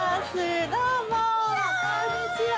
どうもこんにちは。